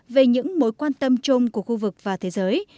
về những mối quan tâm chung của khu vực và thế giới